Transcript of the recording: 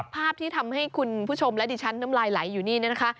ภาพที่ทำให้คุณผู้ชมและดิฉันน้ำลายไหลอยู่นี่นะคะ